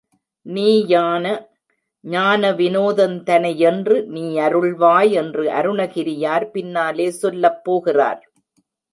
நீயான ஞான விநோதந் தனையென்று நீயருள்வாய் என்று அருணகிரியார் பின்னாலே சொல்லப் போகிறார்.